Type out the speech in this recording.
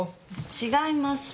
違いますよ！